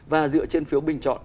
và dựa trên phiếu bình chọn